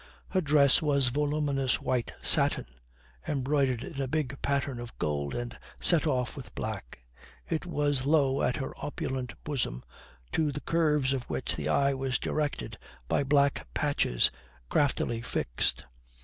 Her dress was voluminous white satin embroidered in a big pattern of gold and set off with black. It was low at her opulent bosom, to the curves of which the eye was directed by black patches craftily fixed.